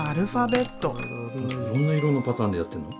いろんな色のパターンでやってんの？